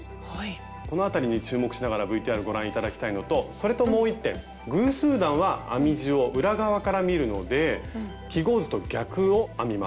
この辺りに注目しながらＶＴＲご覧頂きたいのとそれともう１点偶数段は編み地を裏側から見るので記号図と逆を編みます。